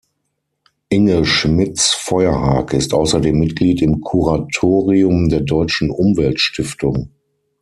Inge Schmitz-Feuerhake ist außerdem Mitglied im Kuratorium der Deutschen Umweltstiftung.